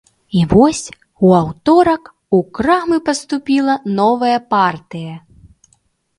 І вось у аўторак у крамы паступіла новая партыя.